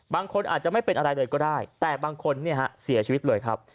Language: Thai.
บางคนอาจจะไม่เป็นอะไรเลยก็ได้แต่บางคนเนี่ยฮะเสียชีวิตเลยครับ